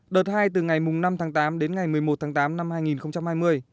đợt hai từ ngày năm tháng tám đến ngày một mươi một tháng tám năm hai nghìn hai mươi